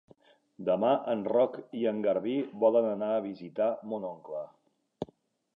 Demà en Roc i en Garbí volen anar a visitar mon oncle.